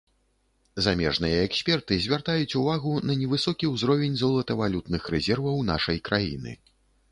Замежныя эксперты звяртаюць увагу на невысокі ўзровень золатавалютных рэзерваў нашай краіны.